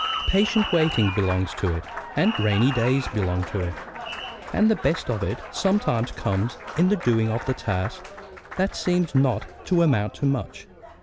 Patient waiting belongs to it; and rainy days belong to it; and the best of it sometimes comes in the doing of tasks that seem not to amount to much.